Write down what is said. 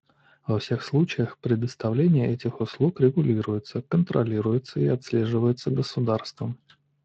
Во всех случаях, предоставление этих услуг регулируется, контролируется и отслеживается государством.